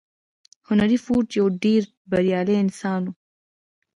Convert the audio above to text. هنري فورډ يو ډېر بريالی انسان و.